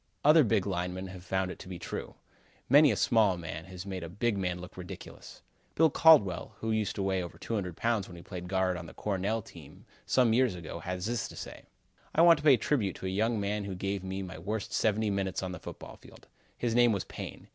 Other big linemen have found it to be true. Many a small man has made a big man look ridiculous. Bill Caldwell, who used to weigh over 200 pounds when he played guard on the Cornell team some years ago, has this to say: "I want to pay a tribute to a young man who gave me my worst seventy minutes on the football field. His name was Payne.